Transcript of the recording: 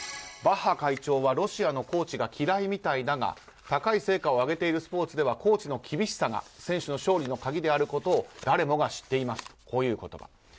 バッハ会長はロシアのコーチが嫌いみたいだが高い成果を上げているスポーツではコーチの厳しさが選手の勝利の鍵であることを誰もが知っていますとこういう言葉。